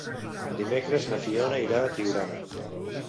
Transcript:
Dimecres na Fiona irà a Tiurana.